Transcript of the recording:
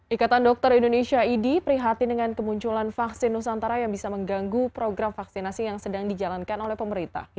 ikatan dokter indonesia idi prihatin dengan kemunculan vaksin nusantara yang bisa mengganggu program vaksinasi yang sedang dijalankan oleh pemerintah